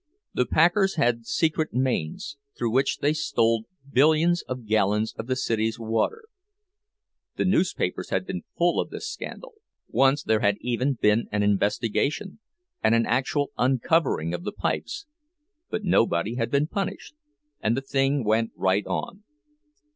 The packers had secret mains, through which they stole billions of gallons of the city's water. The newspapers had been full of this scandal—once there had even been an investigation, and an actual uncovering of the pipes; but nobody had been punished, and the thing went right on.